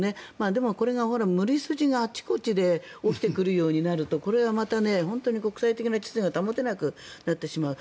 でも、これが無理筋があちこちで起きてくるようになるとこれがまた国際的な秩序が保てなくなってしまう。